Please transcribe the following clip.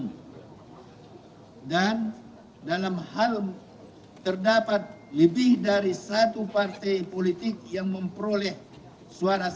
d dan dalam hal terdapat lebih dari satu partai politik yang memperoleh kursi terbanyak